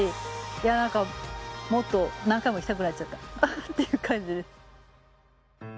なんかもっと何回も来たくなっちゃったっていう感じです。